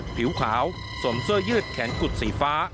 ผิวขาวสวมเสื้อยืดแขนกุดสีฟ้า